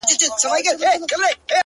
تا په درد كاتــــه اشــــنــــا!